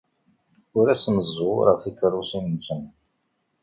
Ur asen-zzuɣureɣ tikeṛṛusin-nsen.